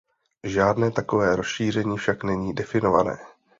Žádné takové rozšíření však není definované.